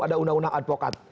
ada undang undang advokat